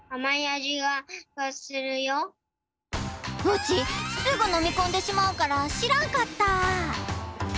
うちすぐのみこんでしまうからしらんかった。